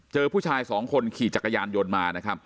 เจอผู้ชายสองคนขี่จักรยานโยนมา